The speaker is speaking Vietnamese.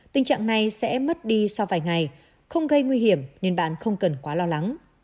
tình trạng này sẽ mất đi sau vài ngày không gây nguy hiểm nên bạn không cần quá lo lắng